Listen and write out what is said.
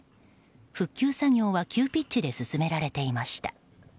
復旧作業は急ピッチで進められていました。